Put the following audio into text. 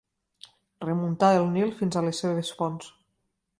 Remuntar el Nil fins a les seves fonts.